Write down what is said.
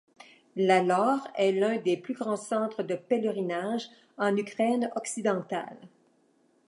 La laure est l'un des plus grands centres de pèlerinage en Ukraine occidentale.